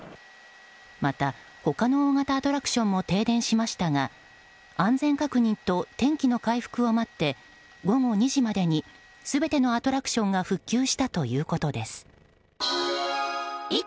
また、他の大型アトラクションも停電しましたが安全確認と天気の回復を待って午後２時までに全てのアトラクションが復旧したということです。